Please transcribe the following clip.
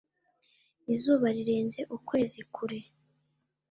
izuba rirenze ukwezi kure